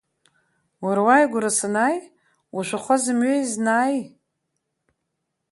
Уара уааигәара санааи, ушәахәа зымҩа изнааи?